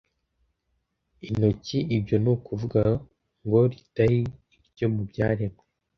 intoki Ibyo ni ukuvuga ngo ritari iryo mu byaremwe